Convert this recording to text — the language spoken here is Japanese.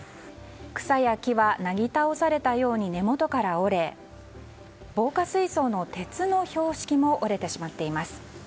草や木はなぎ倒されたように根元から折れ防火水槽の鉄の標識も折れてしまっています。